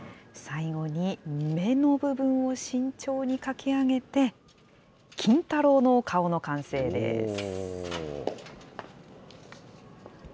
最後に目の部分を慎重に書き上げて、金太郎の顔の完成です。